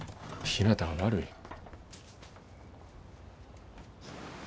ひなたが悪い。